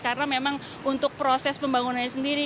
karena memang untuk proses pembangunannya sendiri